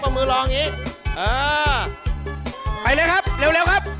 เอามือรองนี้อ่าไปเลยครับเร็วเร็วครับ